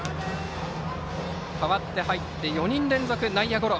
代わって入って４人連続内野ゴロ。